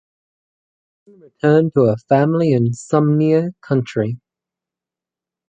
Allen returned to her family in Sumner County.